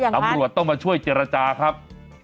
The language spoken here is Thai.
ตำรวจต้องมาช่วยเจรจาครับ